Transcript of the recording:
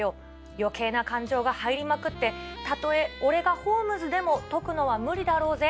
よけいな感情が入りまくってたとえ俺がホームズでも解くのは無理だろうぜ。